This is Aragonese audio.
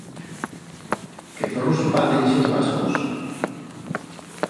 Qué zorruspaz en ixes vasos?